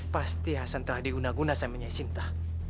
pasti hasan telah diguna guna sama nyai sinta